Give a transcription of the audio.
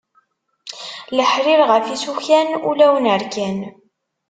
Leḥrir ɣef isukan ulawen rkan.